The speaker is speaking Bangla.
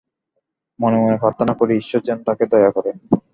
মনে মনে প্রার্থনা করি, ঈশ্বর যেন তাকে দয়া করেন।